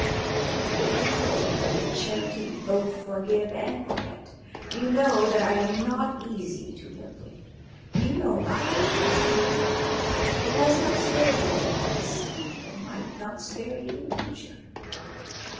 And if you could, of your charity, both forgive and forget, you know that I am not easy to live with. You know my devilish temper it has not spared you in the past, it might not spare you in the future.